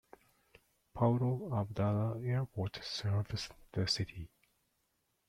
Paulo Abdala Airport serves the city.